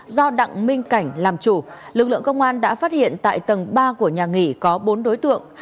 do đặng minh cảnh làm chủ lực lượng công an đã phát hiện tại tầng ba của nhà nghỉ có bốn đối tượng